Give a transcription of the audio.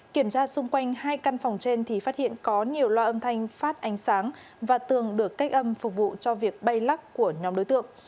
kiểm tra xung quanh hai căn phòng trên thì phát hiện có nhiều loa âm thanh phát ánh sáng và tường được cách âm phục vụ cho việc bay lắc của nhóm đối tượng